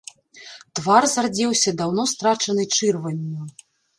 Твар зардзеўся даўно страчанай чырванню.